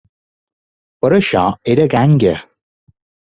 Però això era ganga!